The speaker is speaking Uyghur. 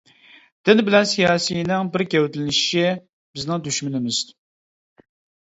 دىن بىلەن سىياسىينىڭ بىر گەۋدىلىشىشى بىزنىڭ دۈشمىنىمىز.